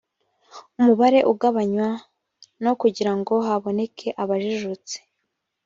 umubare ugabanywa no kugira ngo haboneke abajijutse